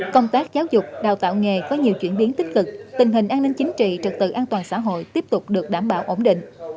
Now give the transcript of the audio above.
công tác giáo dục đào tạo nghề có nhiều chuyển biến tích cực tình hình an ninh chính trị trật tự an toàn xã hội tiếp tục được đảm bảo ổn định